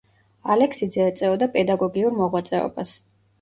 ალექსიძე ეწეოდა პედაგოგიურ მოღვაწეობას.